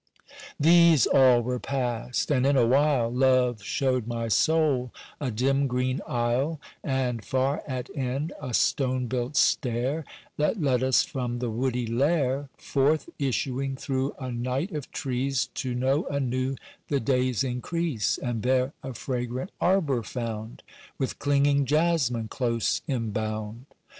These all were passed, and in a while, Love showed my soul a dim green aisle, And far at end a stone built stair, That led us from the woody lair, Forth issuing through a night of trees To know anew the day's increase, And there a fragrant arbour found, With clinging jasmine close embound.